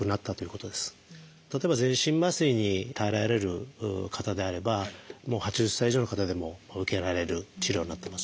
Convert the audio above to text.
例えば全身麻酔に耐えられる方であれば８０歳以上の方でも受けられる治療になってます。